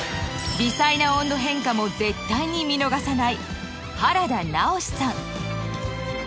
［微細な温度変化も絶対に見逃さない］